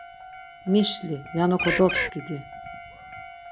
Mişli yano kodobskidi.